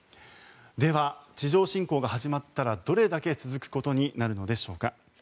では、地上侵攻が始まったらどれだけ続くことになるのでしょうか。